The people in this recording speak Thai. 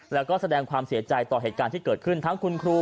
แล้วก็แสดงความเสียใจต่อเหตุการณ์ที่เกิดขึ้นทั้งคุณครู